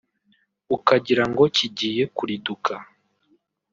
ukagira ngo kigiye kuriduka